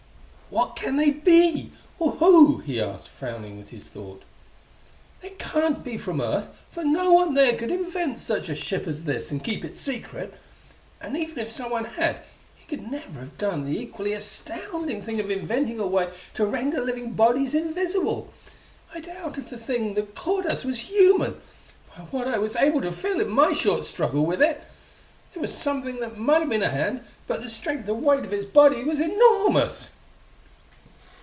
"What can they be? or who?" he asked, frowning with his thought. "They can't be from Earth, for no one there could invent such a ship as this and keep it a secret; and even if someone had, he could never have done the equally astounding thing of inventing a way to render living bodies invisible. I doubt if the thing that caught us was human, by what I was able to feel in my short struggle with it. There was something that might have been a hand; but the strength and the weight of its body was enormous!"